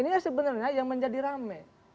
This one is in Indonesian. nah inilah sebenarnya yang menjadi rame